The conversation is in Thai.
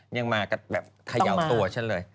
ยังมาแบบทะเลาะตัวเช่นเลย